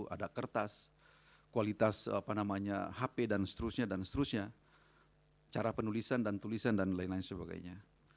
ada kertas kualitas hp dan seterusnya dan seterusnya cara penulisan dan tulisan dan lain lain sebagainya